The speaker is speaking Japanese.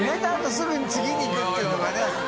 すぐに次にいくっていうのがね。